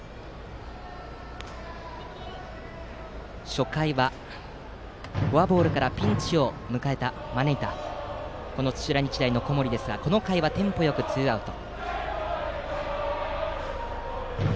初回は、フォアボールからピンチを招いた土浦日大の小森ですがこの回はテンポよくツーアウト。